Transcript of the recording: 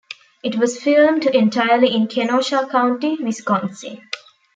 It was filmed entirely in Kenosha County, Wisconsin.